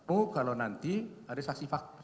oh kalau nanti ada saksi fakta